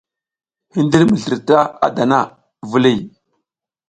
Hindir mi slirta a dana, viliy.